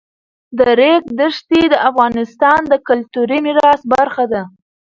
د ریګ دښتې د افغانستان د کلتوري میراث برخه ده.